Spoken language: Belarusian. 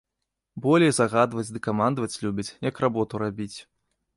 Болей загадваць ды камандаваць любіць, як работу рабіць.